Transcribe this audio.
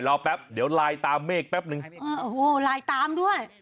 รอแป๊ปเดี๋ยวไล่ตามเมฆแป๊ปหนึ่งโหไล่ตามด้วย